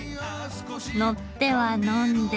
乗っては呑んで。